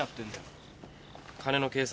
金の計算だ。